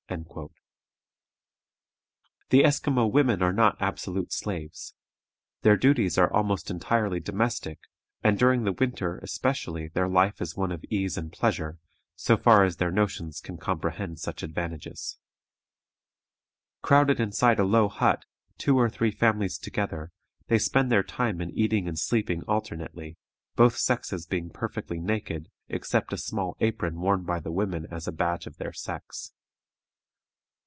" The Esquimaux women are not absolute slaves; their duties are almost entirely domestic, and during the winter especially their life is one of ease and pleasure, so far as their notions can comprehend such advantages. Crowded inside a low hut, two or three families together, they spend their time in eating and sleeping alternately, both sexes being perfectly naked, except a small apron worn by the women as a badge of their sex.